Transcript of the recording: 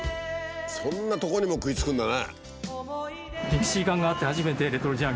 そんなとこにも食いつくんだね。